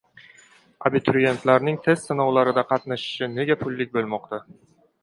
Abituriyentlarning test sinovlarida qatnashishi nega pullik bo‘lmoqda?